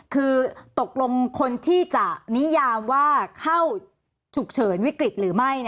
คือตกลงคนที่จะนิยามว่าเข้าฉุกเฉินวิกฤตหรือไม่